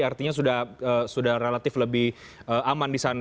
artinya sudah relatif lebih aman di sana